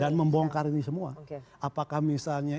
dan membongkar ini semua apakah misalnya